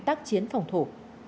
tác chiến phòng thủ